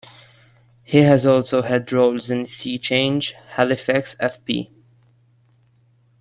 He has also had roles in "SeaChange", "Halifax f.p.